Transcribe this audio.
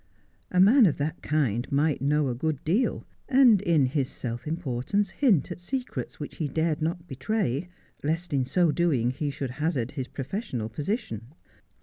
A man of that kind might know .a good deal, and, in his self importance, hint at secrets which he dared not betray, lest in so doing he should hazard his profes sional position.